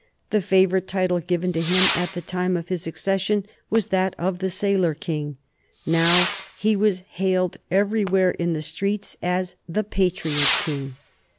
The favorite title given to him at the time of his accession was that of the "Sailor King." Now he was hailed everywhere in the streets as the "Patriot King."